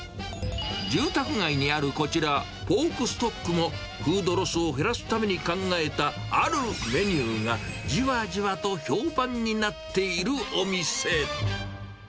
住宅街にあるこちら、ポークストックも、フードロスを減らすために考えたあるメニューが、じわじわと評判になっているお店。